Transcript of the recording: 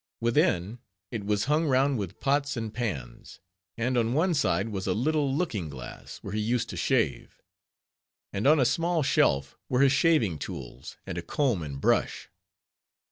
Within, it was hung round with pots and pans; and on one side was a little looking glass, where he used to shave; and on a small shelf were his shaving tools, and a comb and brush.